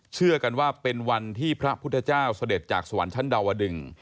เชื่อกันว่าเป็นวันที่พระพุทธเจ้าเสด็จจากสวรรค์ชั้นดาวดึง